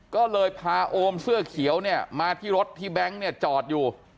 ก็เลยพาโอมเสื้อเขียวเนี่ยมาที่รถที่แบงค์เนี่ยจอดอยู่